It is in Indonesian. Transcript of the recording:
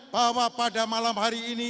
bahwa pada malam hari ini